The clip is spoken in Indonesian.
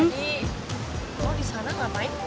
tadi lo di sana gak main